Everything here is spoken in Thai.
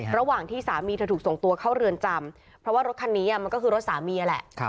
ระหว่างที่สามีเธอถูกส่งตัวเข้าเรือนจำเพราะว่ารถคันนี้มันก็คือรถสามีแหละ